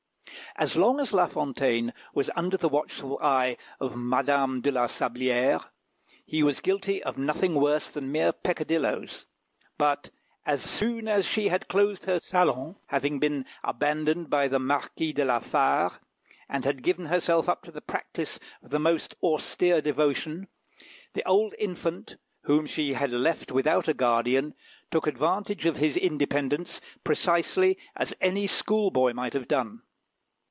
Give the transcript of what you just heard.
As long as La Fontaine was under the watchful eye of Madame de la Sablière, he was guilty of nothing worse than mere peccadilloes; but as soon as she had closed her saloon having been abandoned by the Marquis de la Fare and had given herself up to the practice of the most austere devotion, the old infant, whom she had left without a guardian, took advantage of his independence precisely as any school boy might have done.